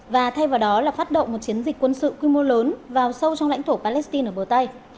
và thay vào đó là phát động một chiến dịch quân sự quy mô lớn vào sâu trong lãnh thổ palestine ở bờ tây